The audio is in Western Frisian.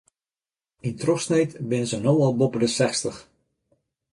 Yn trochsneed binne se no al boppe de sechstich.